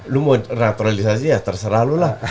lu mau naturalisasi ya terserah